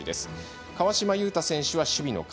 川嶋悠太選手は守備の要。